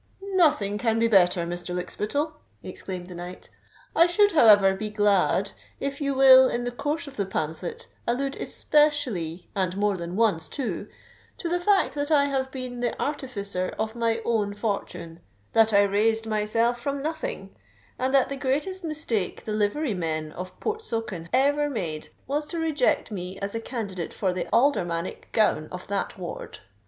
_'" "Nothing can be better, Mr. Lykspittal!" exclaimed the knight. "I should, however, be glad if you will, in the course of the pamphlet, allude especially—and more than once, too—to the fact that I have been the artificer of my own fortune—that I raised myself from nothing—and that the greatest mistake the livery men of Portsoken ever made was to reject me as a candidate for the aldermanic gown of that ward."